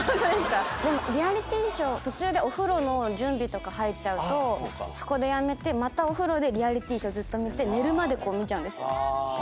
でもリアリティーショー途中でお風呂の準備とか入っちゃうとそこでやめてまたお風呂でリアリティーショーずっと見て。